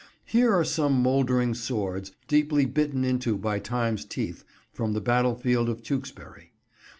Here are some mouldering swords, deeply bitten into by Time's teeth, from the battlefield of Tewkesbury.